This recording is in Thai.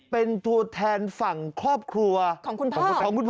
เป็นตัวแทนฝั่งครอบครัวของคุณพ่อ